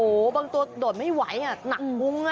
โอ้โหบางตัวโดดไม่ไหวอ่ะหนักมุ้ง